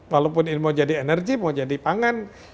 walaupun ini mau jadi energi mau jadi pangan